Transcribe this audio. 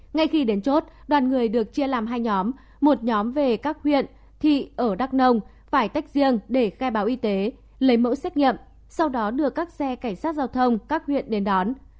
ngay khi đến chốt đoàn người được chia làm hai nhóm một nhóm về các huyện thị ở đắk nông phải tách riêng để khai báo y tế lấy mẫu xét nghiệm sau đó đưa các xe cảnh sát giao thông các huyện đến đón